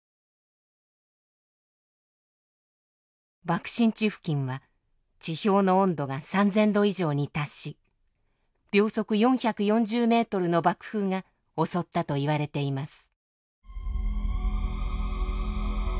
爆心地付近は地表の温度が３，０００度以上に達し秒速４４０メートルの爆風が襲ったといわれています。